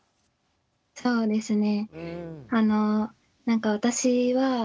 そうですね。